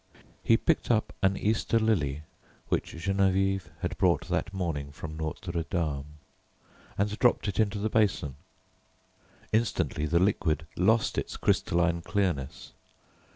He picked up an Easter lily which Geneviève had brought that morning from Notre Dame, and dropped it into the basin. Instantly the liquid lost its crystalline clearness.